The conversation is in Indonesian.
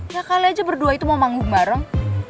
gak kali aja berdua itu mau manggung bareng